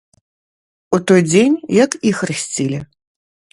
У той дзень, як і хрысцілі.